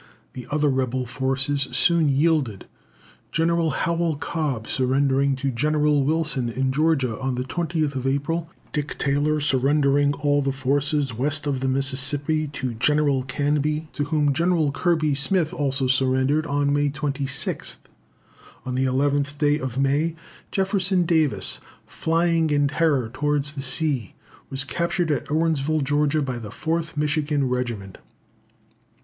The other rebel forces soon yielded General Howell Cobb surrendering to General Wilson in Georgia, on the 20th April; Dick Taylor surrendering all the forces west of the Mississippi to General Canby, to whom General Kirby Smith also surrendered on May 26th. On the 11th day of May, Jefferson Davis, flying in terror towards the sea, was captured at Irwinsville, Georgia, by the 4th Michigan Regiment.